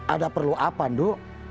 ada perlu apa ndu